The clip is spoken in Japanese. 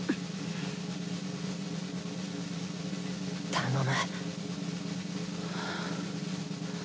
頼む。